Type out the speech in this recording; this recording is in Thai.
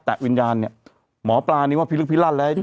แต่วิญญาณเนี่ยหมอปลานึกว่าพิลึกพิลั่นแล้ว